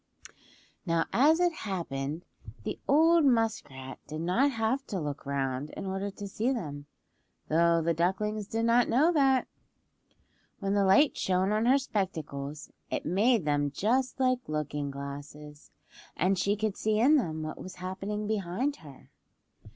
Now as it happened the old muskrat did not have to look round in order to see them, though the ducklings did not know that. When the light shone on her spectacles it made them just like looking glasses, and she could see in them what was happening behind her.